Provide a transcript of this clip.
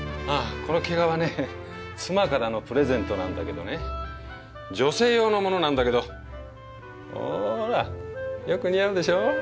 ああこの毛皮ね妻からのプレゼントなんだけどね女性用のものなんだけどほらよく似合うでしょ？